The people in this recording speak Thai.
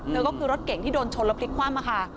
เธอก็คือรถเก่งที่โดนชนแล้วพลิกคว่ำค่ะ